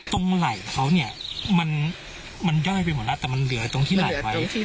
ไหล่เขาเนี่ยมันย่อยไปหมดแล้วแต่มันเหลือตรงที่ไหลไว้